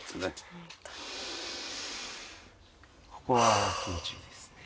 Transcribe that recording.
ここは気持ちいいですね。